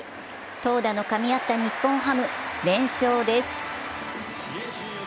投打のかみ合った日本ハム連勝です。